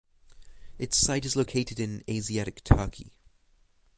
Its site is located in Asiatic Turkey.